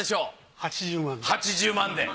８０万で！